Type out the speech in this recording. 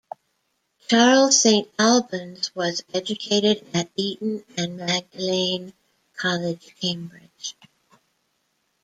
Charles Saint Albans was educated at Eton and Magdalene College, Cambridge.